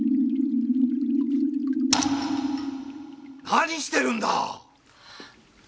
何してるんだ！